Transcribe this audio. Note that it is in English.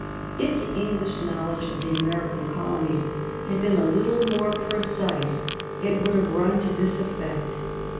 If the English knowledge of the American colonies had been a little more precise it would have run to this effect.